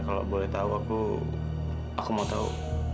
kalau boleh tahu aku aku mau tahu